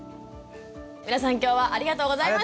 皆さん今日はありがとうございました。